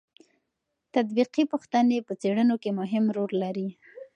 تطبیقي پوښتنې په څېړنو کې مهم رول لري.